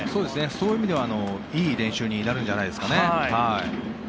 そういう意味ではいい練習になるんじゃないんですかね。